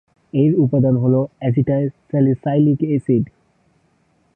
এর উপাদান হলো অ্যাসিটাইল-স্যালিসাইলিক অ্যাসিড।